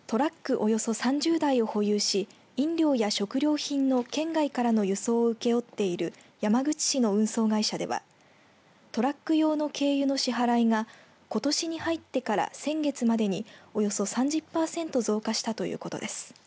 およそ３０台を保有し飲料や食料品の県外からの輸送を請け負っている山口市の運送会社ではトラック用の軽油の支払いがことしに入ってから先月までにおよそ３０パーセント増加したということです。